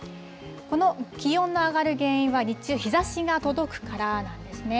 この気温の上がる原因は、日中、日ざしが届くからなんですね。